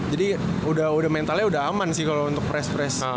jadi udah mentalnya udah aman sih kalau untuk press press